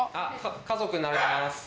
家族になります。